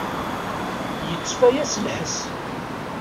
Yettfaya s lḥess.